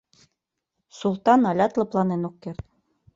— Султан алят лыпланен ок керт.